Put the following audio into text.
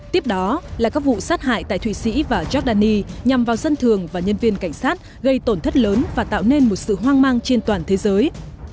tiếp đó là các vụ sát hại tại thụy sĩ và giordani nhằm vào dân thường và nhân viên cảnh sát gây tổn thất lớn và tạo nên một sự hoang mang trên toàn thế giới